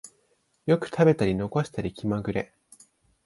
よく食べたり残したり気まぐれ